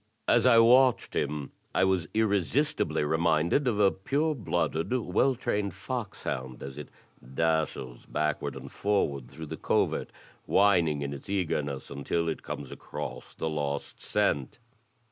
As I watched him I was irresistibly reminded of a pure blooded, well trained fox hound as it dashes backward and forward through the covert, whining in its eagerness, imtil it comes across the lost scent.